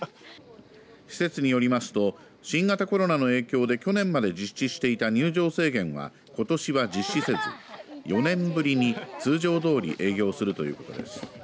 施設に入りますと新型コロナの影響で去年まで実施していた入場制限は今年は実施せず４年ぶりに通常どおり営業するということです。